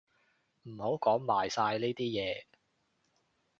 唔好講埋晒呢啲嘢